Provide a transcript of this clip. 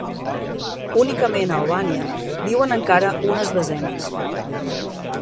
Únicament a Albània viuen encara unes desenes.